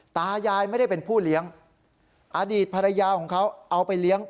ตายายไม่ได้เป็นผู้เลี้ยงอดีตภรรยาของเขาเอาไปเลี้ยง